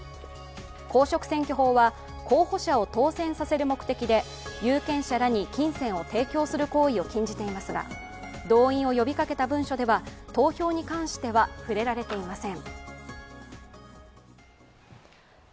公職選挙法は候補者を当選させる目的で有権者らに金銭を提供する行為を禁じていますが、動員を呼びかけた文書では投票に関しては触れられていません。